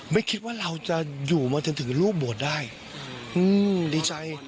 ไม่คิดว่าเราอยู่มาถึงลูกบวชได้ดีใจ